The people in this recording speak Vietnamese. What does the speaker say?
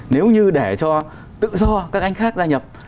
nếu như để cho tự do các anh khác gia nhập